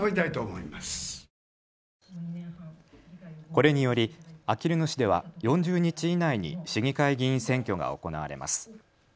これによりあきる野市では４０日以内に市議会議員選挙が行われます。